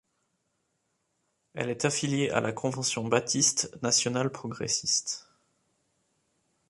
Elle est affiliée à la Convention baptiste nationale progressiste.